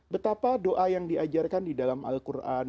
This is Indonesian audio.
betapa doa yang diajarkan di dalam al quran